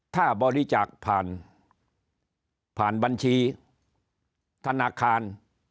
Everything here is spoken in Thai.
ถ้าบริจาคผ่านบัญชีธนาคาร